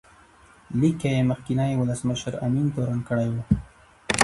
لیک کې یې مخکینی ولسمشر امین تورن کړی و.